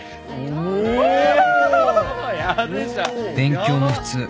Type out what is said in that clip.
勉強も普通